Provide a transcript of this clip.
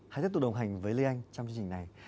hãy tiếp tục đồng hành với lê anh trong chương trình này